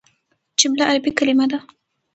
جمله عربي کليمه ده.